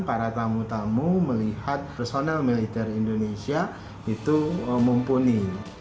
para tamu tamu melihat personel militer indonesia itu mumpuni